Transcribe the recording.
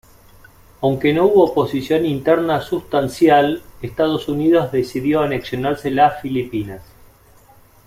Aunque no hubo oposición interna sustancial, Estados Unidos decidió anexionarse las Filipinas.